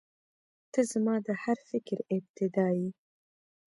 • ته زما د هر فکر ابتدا یې.